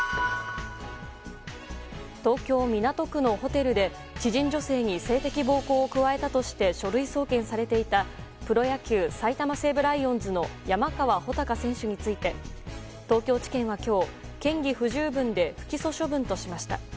東京・港区のホテルで知人女性に性的暴行を加えたとして書類送検されていたプロ野球、埼玉西武ライオンズの山川穂高選手について東京地検は今日、嫌疑不十分で不起訴処分としました。